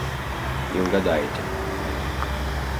Не угадаете.